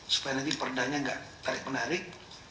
supaya nanti perdahnya tidak tarik menarik